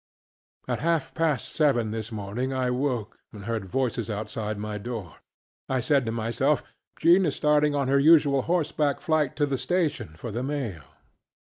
At half past seven this morning I woke, and heard voices outside my door. I said to myself, ŌĆ£Jean is starting on her usual horseback flight to the station for the mail.